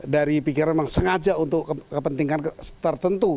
dari pikiran memang sengaja untuk kepentingan tertentu